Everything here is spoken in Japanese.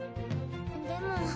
でも。